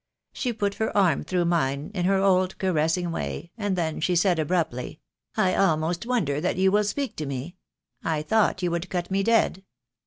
She put her arm through mine in her old caressing way, and then she said, abruptly, 'I almost wonder that you will speak to me. I thought you would cut me dead.'